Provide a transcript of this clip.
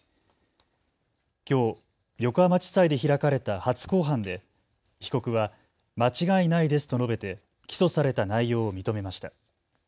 きょう、横浜地裁で開かれた初公判で被告は間違いないですと述べて起訴された内容を認めました。